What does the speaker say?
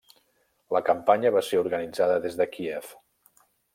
La campanya va ser organitzada des de Kíev.